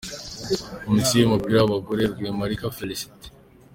Komisiyo y’umupira w’abagore : Rwemarika Félicitée.